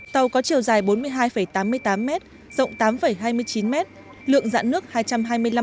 tàu có chiều dài bốn mươi hai tám mươi tám m rộng tám hai mươi chín m lượng dãn nước hai trăm hai mươi năm m